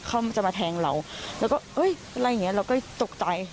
เขาจะมาแทงเราแล้วก็เอ้ยอะไรอย่างนี้เราก็ตกใจ